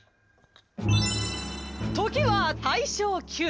「時は大正９年。